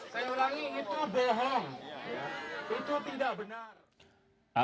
saya ulangi itu bohong itu tidak benar